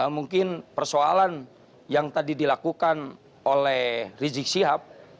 mungkin persoalan yang tadi dilakukan oleh rizik sihab